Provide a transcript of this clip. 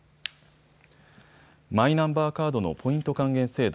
マイナンバーカードのポイント還元制度